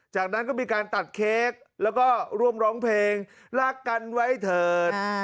จากนั้นก็มีการตัดเค้กแล้วก็ร่วมร้องเพลงลากกันไว้เถิด